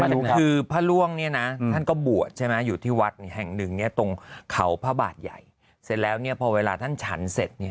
ปากพระร่วงเนี่ยนะท่านก็บวชใช่ไหมอยู่ที่วัดแห่ง๑ตรงเขาพระบาทไยเสร็จแล้วนี่พอเวลาท่านฉรรภ์เสร็จเนี่ย